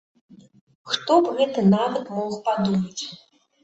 Хто б гэта нават мог падумаць!